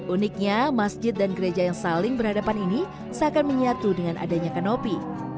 uniknya masjid dan gereja yang saling berhadapan ini seakan menyatu dengan adanya kanopi